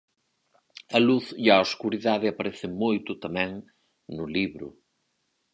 A luz e a escuridade aparecen moito, tamén, no libro.